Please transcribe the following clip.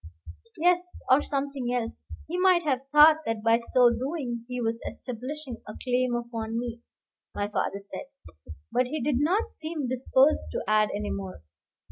"Yes; or something else. He might have thought that by so doing he was establishing a claim upon me," my father said; but he did not seem disposed to add any more.